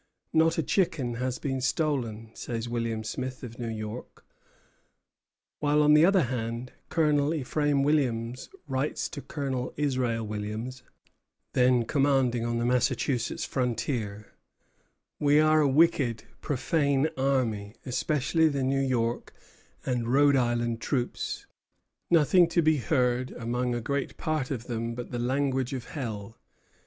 "Not a chicken has been stolen," says William Smith, of New York; while, on the other hand, Colonel Ephraim Williams writes to Colonel Israel Williams, then commanding on the Massachusetts frontier: "We are a wicked, profane army, especially the New York and Rhode Island troops. Nothing to be heard among a great part of them but the language of Hell.